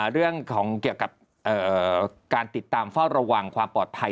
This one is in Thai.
เกี่ยวกับการติดตามเฝ้าระวังความปลอดภัย